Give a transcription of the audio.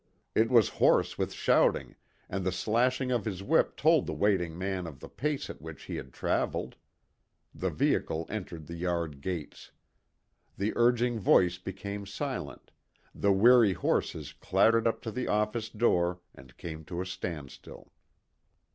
It was hoarse with shouting, and the slashing of his whip told the waiting man of the pace at which he had traveled. The vehicle entered the yard gates. The urging voice became silent, the weary horses clattered up to the office door and came to a standstill.